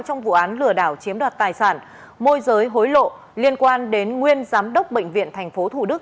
trong vụ án lừa đảo chiếm đoạt tài sản môi giới hối lộ liên quan đến nguyên giám đốc bệnh viện tp thủ đức